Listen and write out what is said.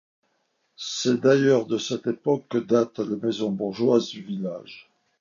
C'est d'ailleurs de cette époque que datent les maisons bourgeoises du village.